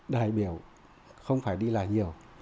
đại biểu không phải đi lại nhiều